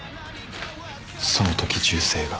その時銃声が。